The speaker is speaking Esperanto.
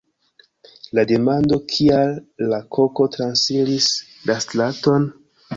La demando "Kial la koko transiris la straton?